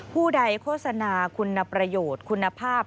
ผู้ใดโฆษณาคุณประโยชน์คุณภาพ